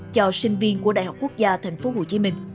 cho sinh viên của đại học quốc gia tp hcm